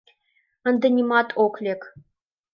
Ынде нимат ок лек!